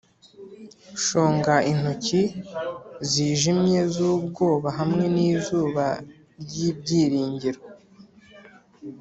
shonga intoki zijimye zubwoba hamwe nizuba ryibyiringiro